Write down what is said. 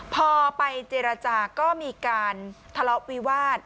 พอไปเจรจาก็มีการทะเลาะวิวาส